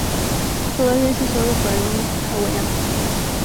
Todavía es usado por algunos hawaianos.